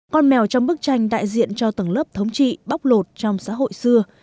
con mèo trong bức tranh đại diện cho tầng lớp thống trị bóc lột trong xã hội xưa